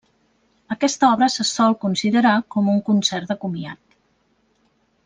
Aquesta obra se sol considerar com un concert de comiat.